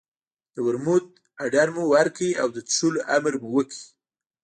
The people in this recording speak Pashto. د ورموت اډر مو ورکړ او د څښلو امر مو وکړ.